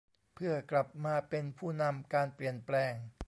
เพื่อกลับมาเป็นผู้นำการเปลี่ยนแปลง